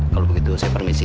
kalau begitu saya permisi